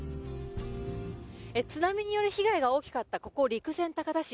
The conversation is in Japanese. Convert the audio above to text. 津波による被害が大きかった、ここ陸前高田市。